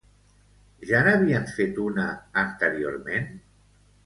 Ja n'havien fet una anteriorment?